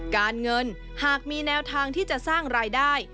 การเงินหากมีแนวทางที่จะสร้างรายได้